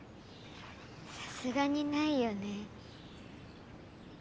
さすがにないよね。